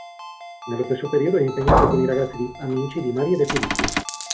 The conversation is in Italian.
Nello stesso periodo è impegnata con i ragazzi di "Amici di Maria De Filippi".